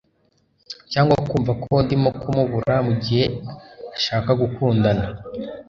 cyangwa kumva ko ndimo kumubura, mugihe ashaka gukundana